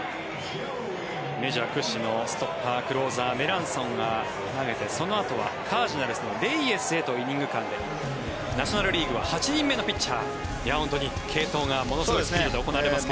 メジャー屈指のストッパー、クローザーメランソンが投げてそのあとはカージナルスのレイエスへとイニング間でナショナル・リーグは８人目のピッチャー継投がものすごいスピードで行われていますが。